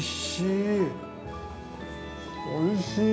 おいしい！